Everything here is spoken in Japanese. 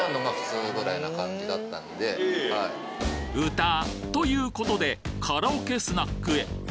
歌ということでカラオケスナックへ